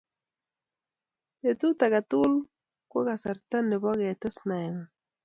Petut age tugul ko kasarta nebo ketes naengung